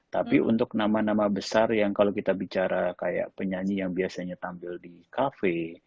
tapi untuk nama nama besar yang kalau kita bicara kayak penyanyi yang biasanya tampil di kafe